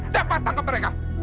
cepat tangkap mereka